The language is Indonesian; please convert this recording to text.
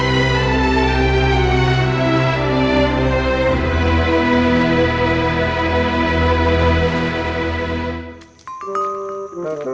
bapak belum tidur